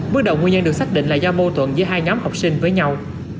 bước đầu nguyên nhân được xác định là do mâu tuận giữa hai nhóm học sinh với nhau